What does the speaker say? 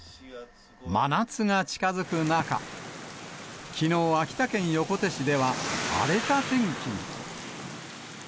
真夏が近づく中、きのう、秋田県横手市では、荒れた天気に。